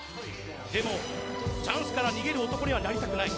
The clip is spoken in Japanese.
でも、チャンスから逃げる男にはなりたくない。